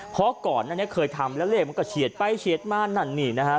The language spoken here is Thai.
เพราะก่อนหน้านี้เคยทำแล้วเลขมันก็เฉียดไปเฉียดมานั่นนี่นะฮะ